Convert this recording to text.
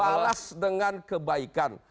balas dengan kebaikan